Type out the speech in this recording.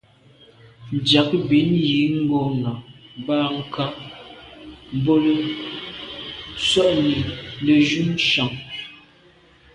Ndiagbin ywîd ngɔ̂nɑ̀ bɑhɑ kà, mbolə, ntswənsi nə̀ jú chànŋ.